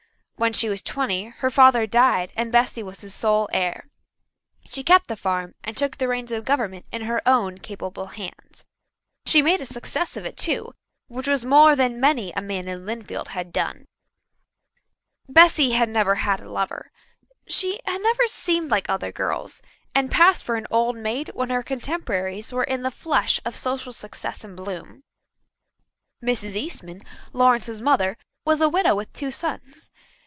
When she was twenty her father died and Bessy was his sole heir. She kept the farm and took the reins of government in her own capable hands. She made a success of it too, which was more than many a man in Lynnfield had done. Bessy had never had a lover. She had never seemed like other girls, and passed for an old maid when her contemporaries were in the flush of social success and bloom. Mrs. Eastman, Lawrence's mother, was a widow with two sons.